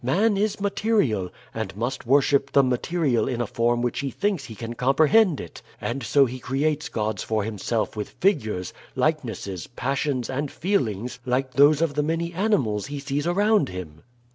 Man is material, and must worship the material in a form in which he thinks he can comprehend it, and so he creates gods for himself with figures, likenesses, passions, and feelings like those of the many animals he sees around him.